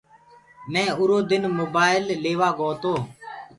مينٚ اُرو دن موبآئيل ليوآ گو تو۔